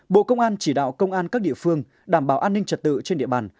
bộ công an chỉ đạo công an các địa phương đảm bảo an ninh trật tự trên địa bàn